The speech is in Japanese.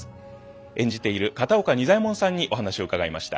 演じている片岡仁左衛門さんにお話を伺いました。